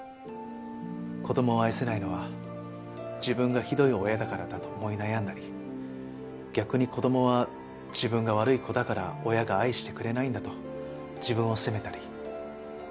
子どもを愛せないのは自分がひどい親だからだと思い悩んだり逆に子どもは自分が悪い子だから親が愛してくれないんだと自分を責めたり。